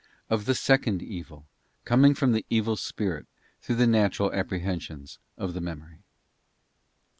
Of the second evil, coming from the evil spirit through the Natural Apprehensions of the Memory.